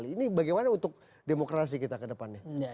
ini bagaimana untuk demokrasi kita kedepannya